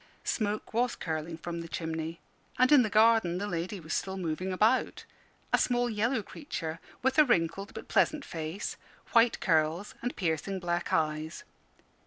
Smoke was curling from the chimney, and in the garden the lady was still moving about a small yellow creature, with a wrinkled but pleasant face, white curls, and piercing black eyes.